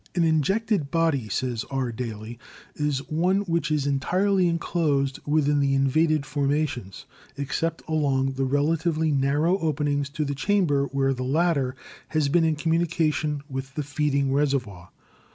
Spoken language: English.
"An injected body," says R. Daly, "is one which is entirely enclosed within the invaded formations, except along the relatively narrow openings to the chamber where the latter has been in communication with the feeding reservoir."